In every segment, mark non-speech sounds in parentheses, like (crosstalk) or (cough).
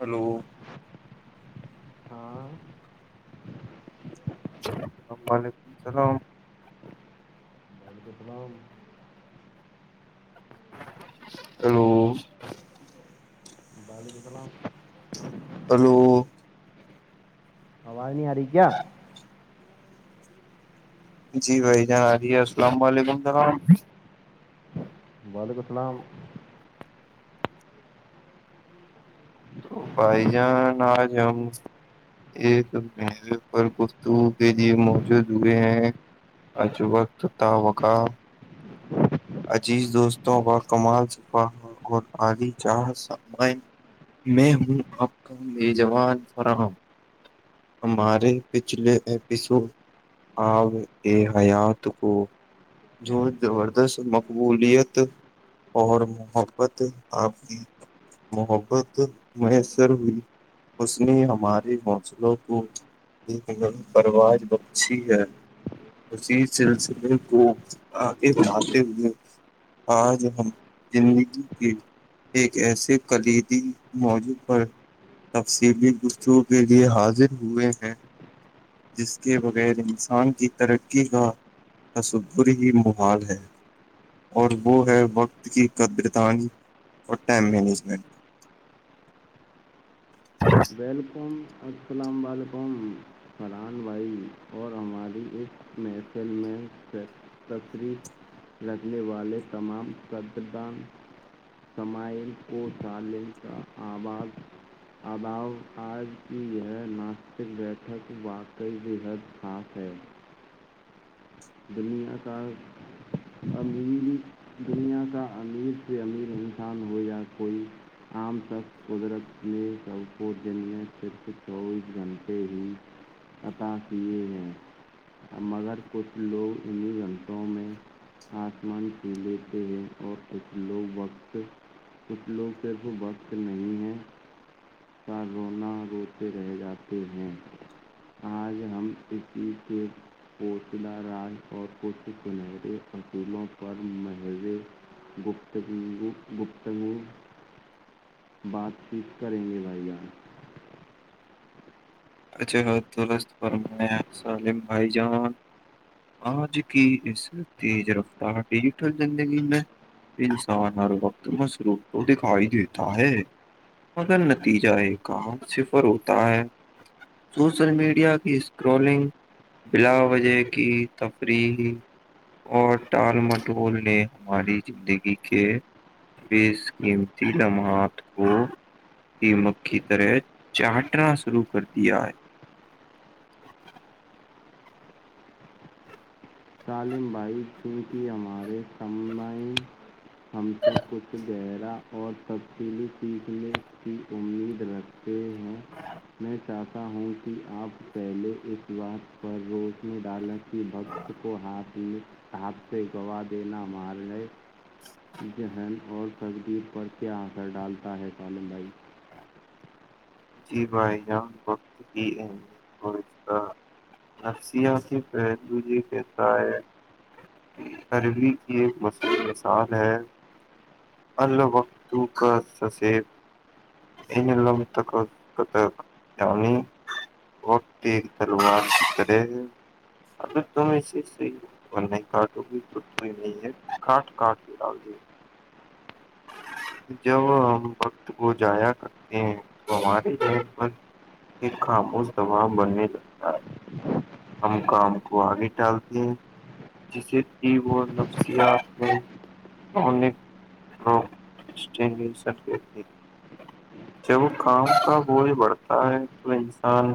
hello ہاں اللام و علیکم اللام مک کلام ا بعد سلام ہلو آواز نہیں آ رہی کیا جی بھائی جنا رہیے السلام علیکم سلام بعل کوتناام تو بھائی جان آج ہم ایک مے پر گفتگو کے لیے موجود ہوئے ہیں اج وقت تعوقع عزیز دوستوں کا کمال صفا اور علی چاہ سامائ میں ہوں آپ کا نیجوان فراہم ہمارے پچھلے ایپیسوڈ آگ کے حیات کو جوڑ مقبولیت اور محبت آپنی محبت میسر ہوئی اس نے ہمارے حوصلوں کو لیکن پروج بہ اچچھی ہے اسی سلسلے کو آگے بھاتے ہوئے آج ہم زندگی کے ایک ایسے کلیدی موجوع پر تفصیلی گسوں کے لیے حاضر ہوئے ہیں جس کے بغیر انسان کی ترقی کا تصور ہی محال ہے اور وہ ہے وقت کی قدرتانی اور ٹائم مینجمنٹ ویلیکم السلام علیکم فران بھائی اور ہماری اس می سے تفریف رکھنے والے تمام قرددان سمائل کو سالل کا آواز اباؤ آج کی یہ ناستک بیٹھک واقعی بے حد خاص ہے دنیا کا امیر دنیا کا امیر سے امیر انسان ہو یا کوئی عام سخ قدرت یہ سب پورجنیا صرف چوبیس گھنٹے ہی عطا کیے ہیں مگر کچھ لوگ انہیں گھنٹوں میں آسمان پ لیتے ہیں اور کچھ لوگ وقت کچھ لوگ پف وق نہیں ہیں ک رونا روتے رہ جاتے ہیں آج ہم اس کے کووٹلا راج اور کچھ گنہرے فصولوں پر محضر گپتگ گ گپتگو بات چیت کریں گے بھائییا اچھا فرمایا سالم بھائی جان آج کی اس تیز رفتار ڈیجیٹل زندگی میں انسان ہر وقت مصروف تو دکھائی دیتا ہے مگر نتیجہ ایک کام صفر ہوتا ہے سوشل میڈیا کی اسکرولنگ بلا وجے کی تفریح اور ٹال مٹول نے ہماری زندگی کے بے قیمتی جماعت کو کیمک کی طرح چاٹنا شروع کر دیا ہے الم بھائی چونکہ ہمارے سمائ ہم سے کچھ گہرا اور تفصیلی سیکھنے کی امید رکھ ہیں میں چاہتا ہوں کہ آپ پہلے اس بات پر روشنے ڈالا کہ بکت کو ہاتھ ہاتھ سے گوا دینا مارنے ذہن اور تقدییر پر کیا اثر ڈالتا ہے طالم بھائی جی بھائی جان وقت کی اہمیت اور اس کا نفصیاتی پہوی کہتا ہے عروی کی ایک مشہور مثال ہے الوقتو کا سسب یہ ن ل میںتق کتا انی کوٹی تروار سے ا تو میں نہیں کاٹو گی تو تو ہی نہیں ہے کاٹ کاٹ کے ڈال جی ج ہم بکت بول جایا کرتے ہیں تو ہمارے لی ب ایک خاموس دبا بننے لگتا ہے ہم کام کو آگے التے ہیں جسے ای وہ نفسیات کو اس س جب وہ کام کا بوجھ بڑھتا ہے تو انسان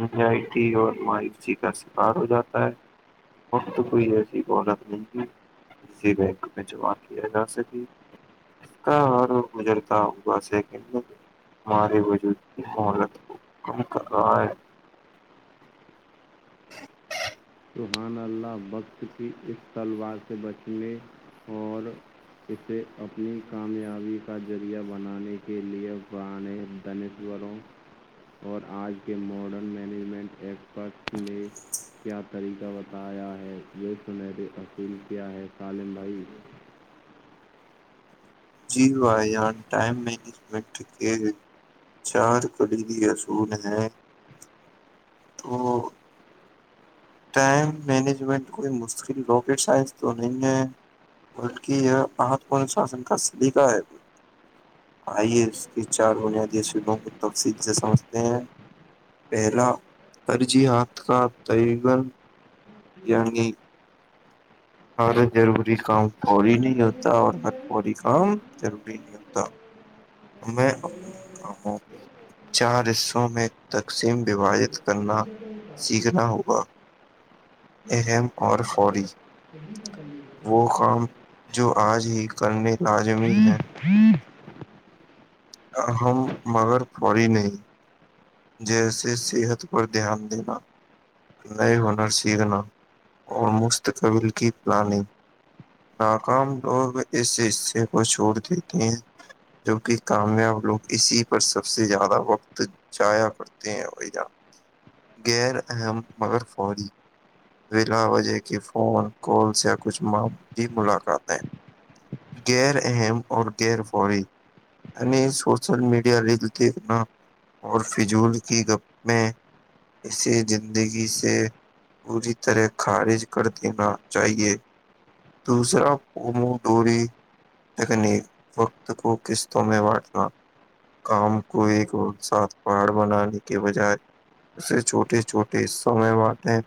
ا آئی ٹی اور مائیو جی کا شکار ہو جاتا ہے وقت کوئی ایسی بولت نہیں ت کی بینک میں جمع کیا جا سکے اس کا اور گجرتا ہوا سیکنڈ میں ہمارے وجودگ کی مولت کم کر رہا ہے توحان اللہ اللہ وقت کی اس تلوار سے بچنے اور اسے اپنی کامیابی کا ذریعہ بنانے کے لیے پرانے ٹینس والوں اور آج کے ماڈرن مینجمنٹ ایکسپرٹس نے کیا طریقہ بتا آیا ہے یہ سنہری اصول کیا ہے سالم بھائی جیو م مجمٹ کے چار خریدی اصول ہیں تو ٹائم مینجمنٹ کوئی مشکل رواکٹ سائز تو نہیں ہے بلک یہ مہتپورن شاسن کا سلیقہ ہے آئیے اس کی چار بنیادی شعبوں کو تفصیل سے سمجھتے ہیں پہلا ترجیحات کا تن یہگی ہر ضروری کام فوری نہیں ہوتا اور ہر فوری کام ضروری نہیں ہوتا ہم میں چار حصوں میں تقسیم وواہت کرنا سیکھنا ہوگا اہم اور فوری وہ کام جو آج ہی کرنے لازمی ہیں (inaudible) ہم مگر پڑی نہیں جیسے صحت پر دھیان دینا نئے ہنر سیکھنا اور مستقبل کی پلاننگ ناکام لوگ اس حصے کو چھوڑ دیتے ہیں جوک کامیاب لوگ اسی پر سب سے زیادہ وقت چایا کرتے ہیں غیر اہم مگر فوری بلا وجہ کی فون کالس یا کچھ م بھی ملاقاتیں غیر اہم اور غیر فوری ہم سوشل میڈیا ریل دنا اور فضول کی گپ میں اسی زندگی سے پوری طرح خارج کر دینا چاہیے دوسرا قمو ڈوری یکن وقت کو قسطوں میں بانٹنا کام کو ایک اور ساتھ پہاڑ بنانے کے بجائے اسے چھوٹے چھوٹے حصوں میں بانٹیں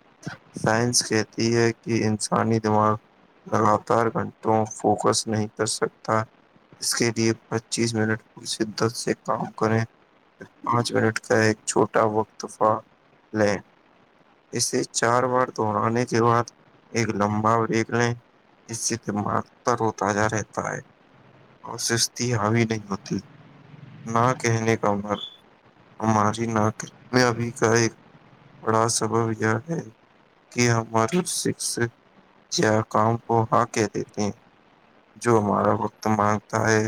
سائنس کہتی ہے کہ انسانی دماغ لاتار گھنٹوں فوکس نہیں کر سکتا اس کے لیے پچیس منٹور شدت سے کام کریں پانچ منٹ کا ایک چھوٹا وق دفع لے اسے چار بار دوہرانے کے بعد ایک لمبا بریک لیں اس سےتم تر ہو تازہ رہتا ہے اور سستی حاوی نہیں ہوتی نہ کہنے کا مر ہماری نا میں ابھی کا ایک بڑا سبب یہ ہے کہ ہماری شخ یاقام کو ہاں کے دیتے ہیں جو ہمارا وقت مانگتا ہے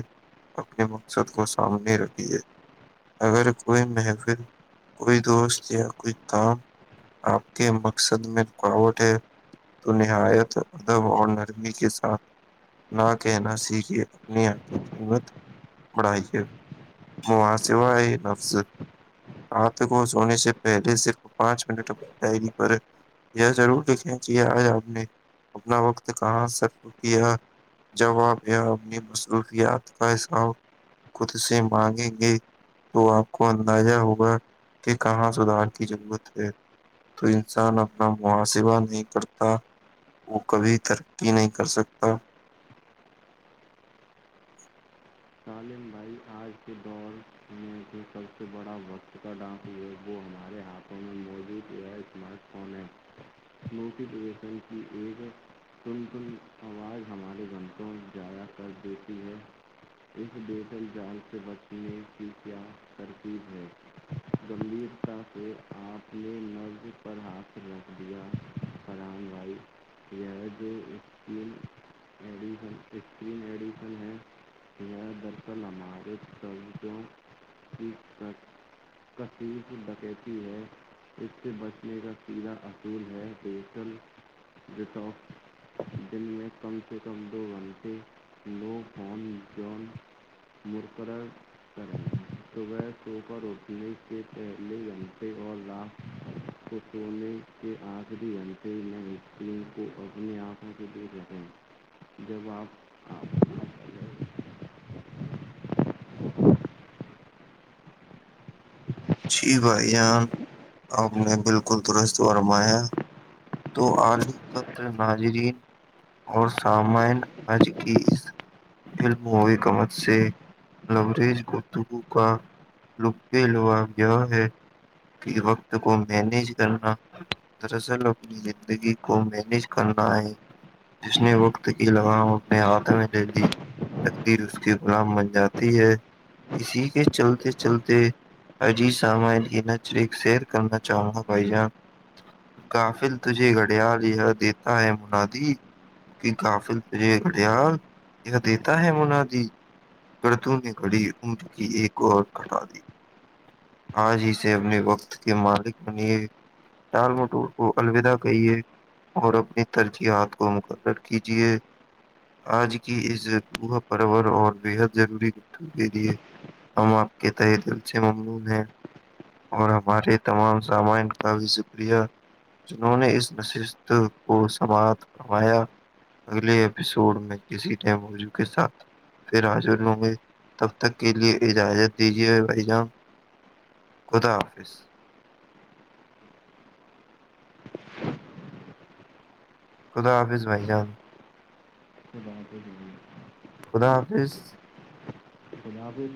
اپنے مقصد کو سامنے رکھیے اگر کوئی محفل کوئی دوست یا کوئی کام آپ کے مقصد میں رکاوٹ ہے تو نہایت ادب اور نرمی کے ساتھ نہ کہنا س کہے اپنی آنکھ کی قیمت بڑھائیے محاسوہ ہے نفظ ہاتھ کو سونے سے پہلے صرف پانچ منٹ اپنی ڈائری پر یہ ضرور لکھیں کہ آج آپ نے اپنا وقت کہاں سر کیا جواب یا اپنی مصروفیات کا حساب خود سے مانگیں گے تو آپ کو اندازہ ہوگا کہ کہاں سدھار کی ضرورت ہے تو انسان اپنا محاسبہ نہیں کرتا وہ کبھی ترقی نہیں کر سکتا سالم بھائی آج کے دور میں جو سب سے بڑا وقت کا ڈان یوبو ہمارے ہاتھوں میں موجود یہ اسمارٹ فون ہے موک دشن کی ایک تم تم آواز ہمارے گھنٹوں جضاع کر دیتی ہے اس بیسل جال سے بچنے کی کیا ترتیب ہے گمبھیرتا سے آپ نے مرض پر حاتھ رکھ دیا فر گائی رج میڈین استری میڈیسن ہے یہ دراصل ہمارے طووں کی کثیف بکیتی ہے اس سے بچنے کا سیدھا اصل ہے بیٹل رٹوف دن میں کم سے کم دو گھنٹے نو فون جون مرقرر کریں صبح سوپر اٹھنے کے پہلے گھنٹے اور لاکس کو توونے کے آخری اننتےے میں اسکریم کو اپنے آپ ے دے دیتے ہیں جب آپپ جی بھائی جان آپ نے بالکل درست فرمایا تو آد پتر ناظرین اور سامن آج کی اس فلم ہوی کمت سے لیج گتگو کا لپی ل و یہ ہے کہ وقت کو مینج کرنا دراصل اپنی زندگی کو مینج کرنا ہے جس نے وقت کی لگام اپنے ہاتھ میں لے لی تقدیر اس کے غلام بن جاتی ہے اسی کے چلتے چلتے اجی سام میں نچر سیر کرنا چاہوں گا بھائی جان کاف پل تجے گڑیال یہ دیتا ہے منادی کہ کافل ت گڑیال یہ دیتا ہے منا ج دردوں نے کھڑی عمد کی ایک اور ہٹا دی آج ہی سے اپنے وقت کے مالک بنی ٹال مٹور کو الوداع کہیے اور اپنی ترجیحات کو مقرر کیجیے آج کی اس لوہا پرور اور بےحد ضروری کتوں کے لیے ہم آپ کے تہ دل سے ممنون ہیں اور ہمارے تمام سامان کا بھی شکریہ جنہوں نے اس نشست کو سماعت کمایا اگلے ایپیسوڈ میں کسی نے موجو کے ساتھ پھر حاجر لوں گے تب تک کے لیے اجازت دیجیے بھائی جان کوتتا آفس خدا حافظ بھائی جان کو خدا حافظ ب بھی